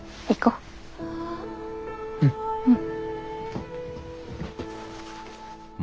うん。